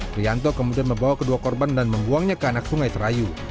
prianto kemudian membawa kedua korban dan membuangnya ke anak sungai serayu